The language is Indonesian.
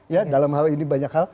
ya dalam hal ini banyak hal